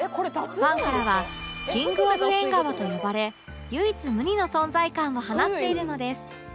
ファンからは「キングオブ縁側」と呼ばれ唯一無二の存在感を放っているのです